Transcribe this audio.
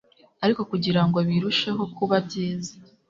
ariko kugirango birusheho kuba byiza